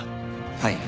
はい。